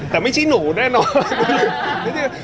แต่ไม่ใช่หนูแน่นอน